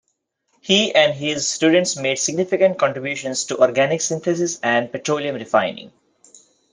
He and his students made significant contributions to organic synthesis and petroleum refining.